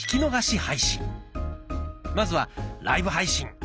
まずは「ライブ配信」。